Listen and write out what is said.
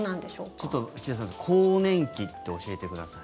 ちょっと岸田さん更年期って教えてください。